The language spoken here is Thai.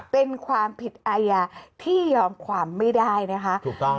เป็นความผิดอายาที่ยอมความไม่ได้นะคะ